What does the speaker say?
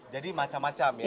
jadi macam macam ya